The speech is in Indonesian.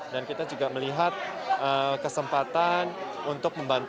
dan kita juga melihat kesempatan untuk membantu